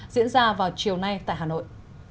diễn ra vào chiều nay tại hà nội